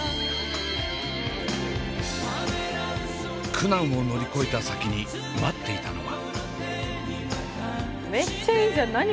苦難を乗り越えた先に待っていたのは。